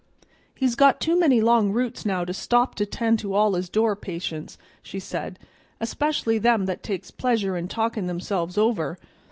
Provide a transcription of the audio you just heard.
"He's got too many long routes now to stop to 'tend to all his door patients," she said, "especially them that takes pleasure in talkin' themselves over.